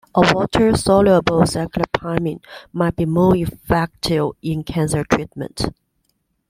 A water-soluble cyclopamine may be more effective in cancer treatment.